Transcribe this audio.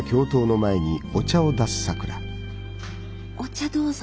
お茶どうぞ。